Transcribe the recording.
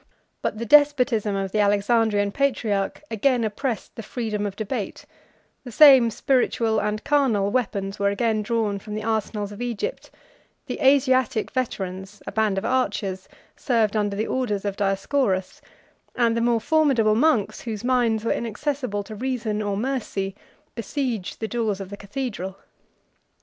But the despotism of the Alexandrian patriarch again oppressed the freedom of debate: the same spiritual and carnal weapons were again drawn from the arsenals of Egypt: the Asiatic veterans, a band of archers, served under the orders of Dioscorus; and the more formidable monks, whose minds were inaccessible to reason or mercy, besieged the doors of the cathedral.